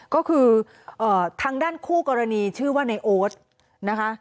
ก็คือทางด้านคู่กรณีชื่อว่าในโอ๊ตนะคะ